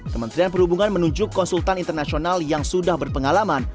kementerian perhubungan menunjuk konsultan internasional yang sudah berpengalaman